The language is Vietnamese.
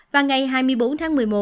và ngày hai mươi bốn tháng một mươi một